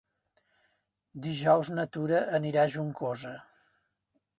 Dijous na Tura anirà a Juncosa.